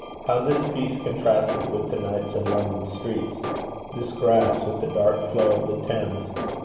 How this peace contrasted with the nights in London streets! this grass with the dark flow of the Thames!